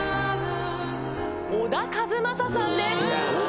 小田和正さんです。